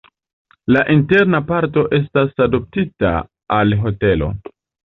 La interna parto estas adoptita al hotelo.